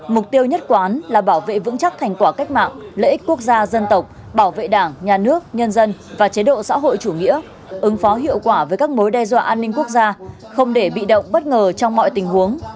mục tiêu nhất quán là bảo vệ vững chắc thành quả cách mạng lợi ích quốc gia dân tộc bảo vệ đảng nhà nước nhân dân và chế độ xã hội chủ nghĩa ứng phó hiệu quả với các mối đe dọa an ninh quốc gia không để bị động bất ngờ trong mọi tình huống